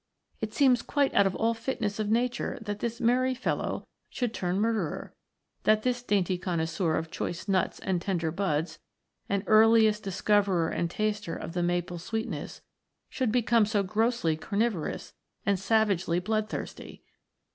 It seems quite out of all fitness of nature that this merry fellow should turn murderer, that this dainty connoisseur of choice nuts and tender buds, and earliest discoverer and taster of the maple's sweetness, should become so grossly carnivorous and savagely bloodthirsty.